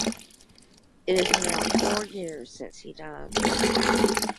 It is now four years since he died.